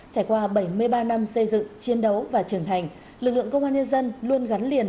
trải qua bảy mươi ba năm xây dựng chiến đấu và trưởng thành lực lượng công an nhân dân luôn gắn liền